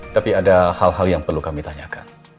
tapi ada hal hal yang perlu kami tanyakan